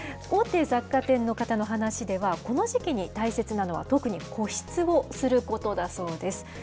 大手雑貨店の方の話では、この時期に大切なのは、特に保湿をすることだそうです。